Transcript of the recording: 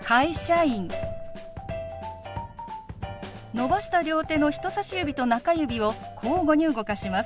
伸ばした両手の人さし指と中指を交互に動かします。